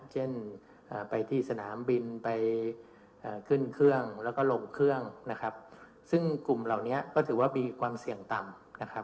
เช่นไปที่สนามบินไปขึ้นเครื่องแล้วก็ลงเครื่องนะครับซึ่งกลุ่มเหล่านี้ก็ถือว่ามีความเสี่ยงต่ำนะครับ